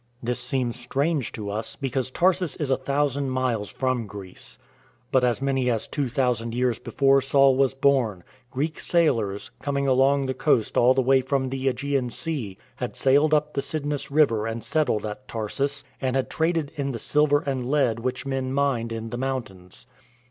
This seems strange to us, because Tarsus is a thousand miles from Greece. But as many as two thousand years before Saul was born, Greek sailors, coming along the coast all the way from the yEgean Sea, had sailed up the Cydnus River and settled at Tarsus, and had traded in the silver and lead which men mined in the moun tains.